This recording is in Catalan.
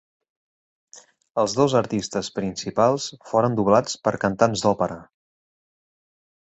Els dos artistes principals foren doblats per cantants d'òpera.